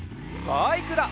バイクだ！